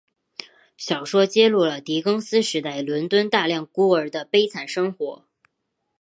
小说揭露了狄更斯时代伦敦大量孤儿的悲惨生活。